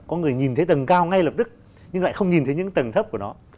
có người nhìn thấy tầng cao ngay lập tức nhưng lại không nhìn thấy những tầng thấp của nó